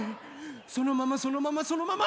そのままそのままそのまま！